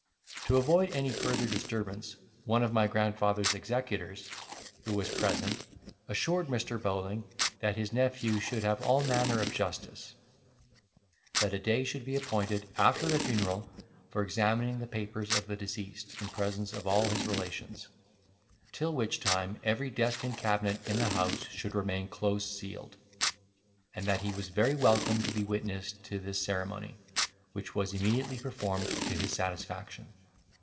To avoid any further disturbance, one of my grandfather's executors, who was present, assured Mr. Bowling, that his nephew should have all manner of justice; that a day should be appointed after the funeral for examining the papers of the deceased, in presence of all his relations; till which time every desk and cabinet in the house should remain close sealed; and that he was very welcome to be witness to this ceremony, which was immediately performed to his satisfaction.